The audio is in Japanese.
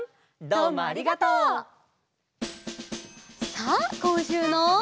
さあこんしゅうの。